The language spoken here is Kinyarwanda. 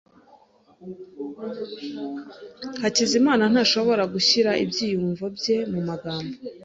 Hakizimana ntashobora gushyira ibyiyumvo bye mumagambo.